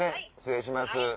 失礼します。